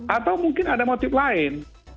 atau mungkin ada motif lain